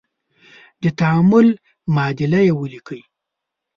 د تعامل معادله یې ولیکئ.